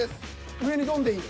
上にドンでいい。